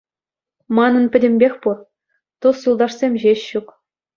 Манӑн пӗтӗмпех пур, тус-юлташсем ҫеҫ ҫук.